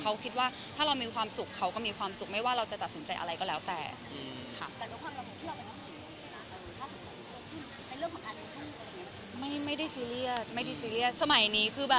อยากมีลูกไม่อยากมีลูกไหมคะ